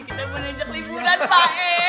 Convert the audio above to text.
kita boleh nginjak liburan pak e